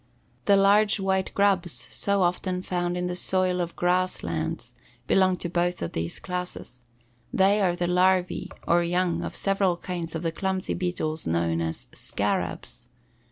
The large white grubs so often found in the soil of grass lands belong to both of these classes. They are the larvæ, or young, of several kinds of the clumsy beetles known as scarabs.